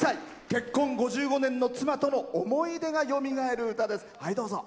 結婚５５年の妻との思い出がよみがえる歌です。